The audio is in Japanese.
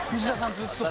ずっと。